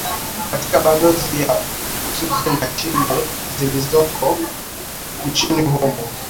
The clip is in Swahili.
katika balozi za uswizi na chile zilizoko nchini humo